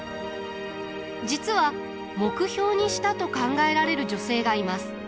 実は目標にしたと考えられる女性がいます。